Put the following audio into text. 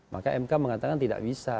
maka mk mengatakan tidak bisa